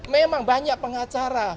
memang banyak pengacara